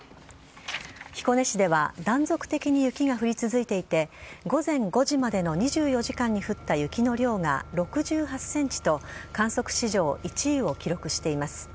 彦根市では断続的に雪が降り続いていて、午前５時までの２４時間に降った雪の量が６８センチと、観測史上１位を記録しています。